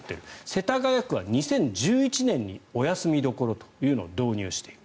世田谷区は２０１１年にお休み処というのを導入してる。